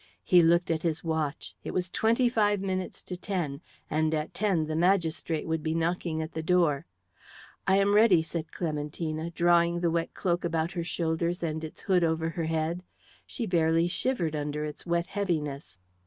He looked at his watch. It was twenty five minutes to ten, and at ten the magistrate would be knocking at the door. "I am ready," said Clementina, drawing the wet cloak about her shoulders and its hood over her head. She barely shivered under its wet heaviness.